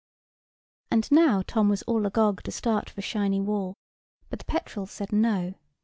And now Tom was all agog to start for Shiny Wall; but the petrels said no.